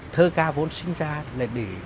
thơ ca vốn sinh ra là để